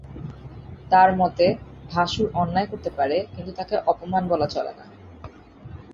তার মতে ভাশুর অন্যায় করতে পারে কিন্তু তাকে অপমান বলা চলে না।